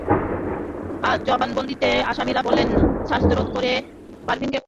জবানবন্দিতে আসামিরা বলেছেন, শ্বাসরোধ করে পারভীনকে খুন করার ইচ্ছা তাঁদের ছিল না।